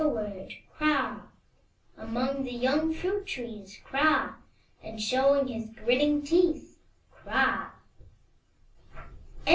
Peering forward, Kra! Among the young fmit trees, Kra! And showing his grinning teeth, Kra!